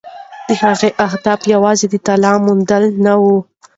د هغه هدف یوازې د طلا موندل نه وو.